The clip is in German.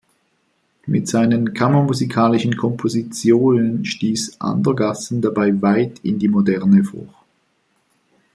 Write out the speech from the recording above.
Mit seinen kammermusikalischen Kompositionen stieß Andergassen dabei weit in die Moderne vor.